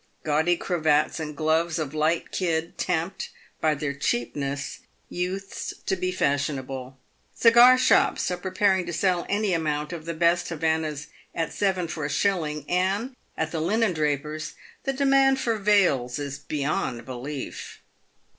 Gaudy cravats and gloves of light kid tempt, by their cheapness, youths to be fashionable. Cigar shops are preparing to sell any amount of the best Havannahs at seven for a shilling, and, at the linendrapers', the demand for veils is beyond belief.